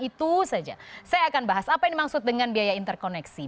itu saja saya akan bahas apa yang dimaksud dengan biaya interkoneksi